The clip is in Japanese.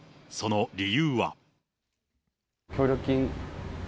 その理由は。